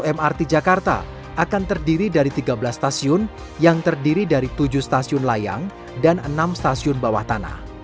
mrt jakarta akan terdiri dari tiga belas stasiun yang terdiri dari tujuh stasiun layang dan enam stasiun bawah tanah